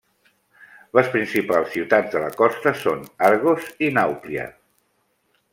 Les principals ciutats de la costa són Argos i Nàuplia.